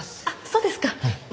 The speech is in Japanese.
そうですか。